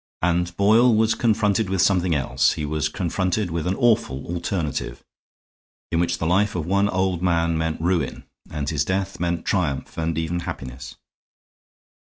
And Boyle was confronted with something else; he was confronted with an awful alternative, in which the life of one old man meant ruin and his death meant triumph and even happiness."